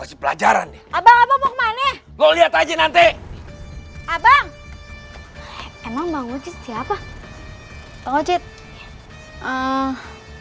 kasih pelajaran abang abang mau kemana lo lihat aja nanti abang emang banget siapa oh cip eh